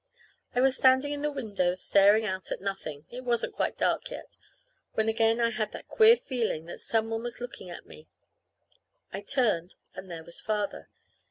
I was standing in the window staring out at nothing it wasn't quite dark yet when again I had that queer feeling that somebody was looking at me. I turned and there was Father.